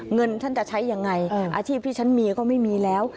เงินฉันจะใช้ยังไงอาชีพที่ฉันมีก็ไม่มีแล้ว